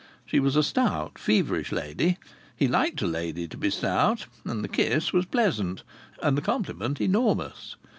She was a stout, feverish lady. He liked a lady to be stout; and the kiss was pleasant and the compliment enormous.